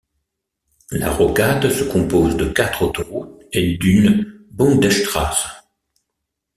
La rocade se compose de quatre autoroutes et d'une Bundesstraße.